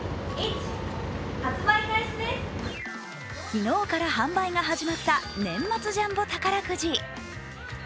昨日から販売が始まった年末ジャンボ宝くじ。